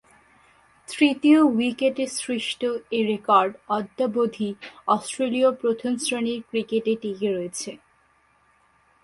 তৃতীয় উইকেটে সৃষ্ট এ রেকর্ড অদ্যাবধি অস্ট্রেলীয় প্রথম-শ্রেণীর ক্রিকেটে টিকে রয়েছে।